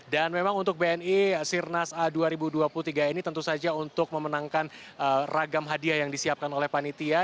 dan memang untuk bni sirnas a dua ribu dua puluh tiga ini tentu saja untuk memenangkan ragam hadiah yang disiapkan oleh panitia